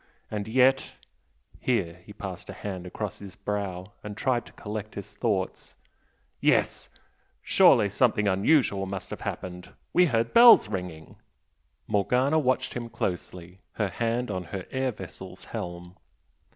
And yet " here he passed a hand across his brow and tried to collect his thoughts "yes! surely something unusual must have happened! We heard bells ringing " Morgana watched him closely, her hand on her air vessel's helm.